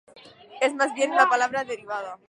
Es más bien una palabra derivada.